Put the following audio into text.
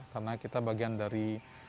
karena kita bagian dari